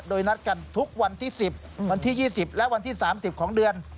โดยนัดกันทุกวันที่๑๐วันที่๒๐และวันที่๓๐ของเดือน